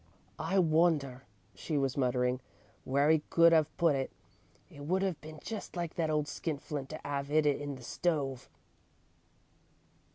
"I wonder," she was muttering, "where 'e could 'ave put it. It would 'ave been just like that old skinflint to 'ave 'id it in the stove!"